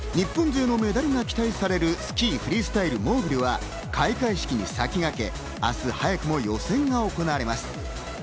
日本勢のメダルが期待されるスキーフリースタイルモーグルは開会式に先駆け、明日早くも予選が行われます。